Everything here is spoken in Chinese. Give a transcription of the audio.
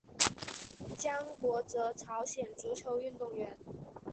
姜国哲朝鲜足球运动员。